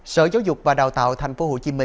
sở giáo dục và đào tạo tp hcm